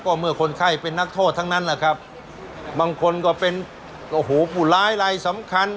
ก็เมื่อคนไข้เป็นนักโทษทั้งนั้นแหละครับบางคนก็เป็นโอ้โหผู้ร้ายลายสำคัญ